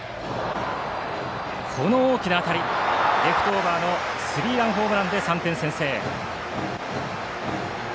この大きな当たりはレフトオーバーのスリーランホームランで３点先制。